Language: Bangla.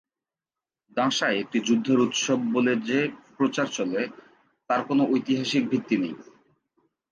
দাঁশায় একটি যুদ্ধের উৎসব বলে যে প্রচার চলে তার কোনো ঐতিহাসিক ভিত্তি নেই।